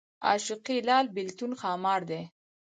عاشقي لال بېلتون ښامار دی